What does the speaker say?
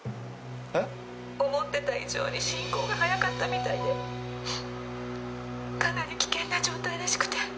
えっ？思ってた以上に進行が早かったみたいでかなり危険な状態らしくて。